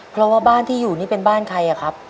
เพราะว่าบ้านที่อยู่นี่เป็นบ้านใครอะครับ